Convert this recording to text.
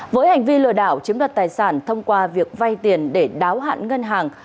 với hành vi lừa đảo chiếm đoạt tài sản thông qua việc vay tiền để đáo hạn ngân hàng